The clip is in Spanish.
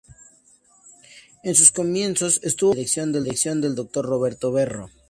En sus comienzos estuvo bajo la dirección del Dr. Roberto Berro.